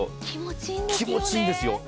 気持ちいいんですよね。